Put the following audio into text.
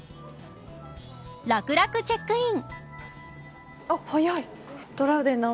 楽々チェックイン。